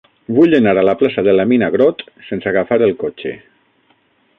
Vull anar a la plaça de la Mina Grott sense agafar el cotxe.